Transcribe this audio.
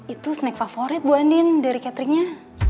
itu snack favorit bu andin dari cateringnya